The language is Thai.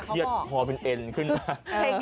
หน้าเพียดถอเป็นเอ็นขึ้นมา